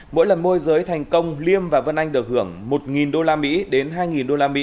mỗi lần môi giới thành công liêm và vân anh được hưởng một usd đến hai usd